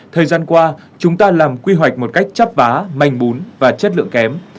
thời gian qua chúng ta làm quy hoạch một cách chấp vá manh bún và chất lượng kém